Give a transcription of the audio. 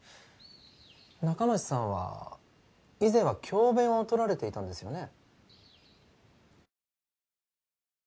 仲町さんは以前は教べんをとられていたんですよね？